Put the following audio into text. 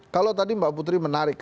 kalau tadi mbak putri menarik